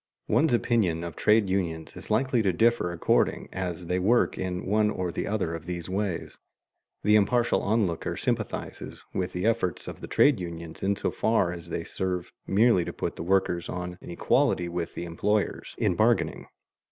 One's opinion of trade unions is likely to differ according as they work in one or the other of these ways. The impartial onlooker sympathizes with the efforts of the trade unions in so far as they serve merely to put the workers on an equality with the employers in bargaining.